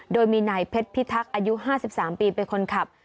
โดยมีนายเพชรพิทักษ์อายุ๕๓ปีเป็นคนขับ